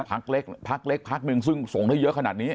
พักเล็กพักเล็กพักหนึ่งซึ่งส่งได้เยอะขนาดนี้